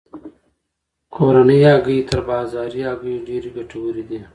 کورنۍ هګۍ تر بازاري هګیو ډیرې ګټورې دي.